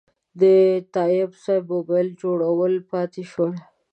د تایب صیب موبایل جوړول پاتې شول.